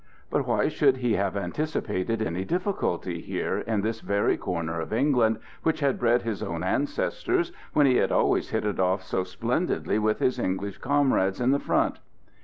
But why should he have anticipated any difficulty here, in this very corner of England which had bred his own ancestors, when he had always hit it off so splendidly with his English comrades at the Front?